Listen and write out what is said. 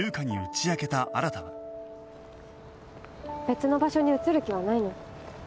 別の場所に移る気はないの？